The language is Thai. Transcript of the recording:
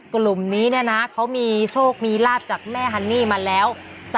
กลุ่มนี้เนี่ยนะเขามีโชคมีลาบจากแม่ฮันนี่มาแล้ว